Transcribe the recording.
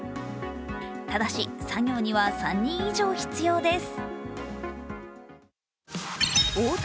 ただし、作業には３人以上必要です。